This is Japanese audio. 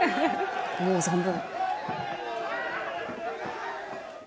思う存分。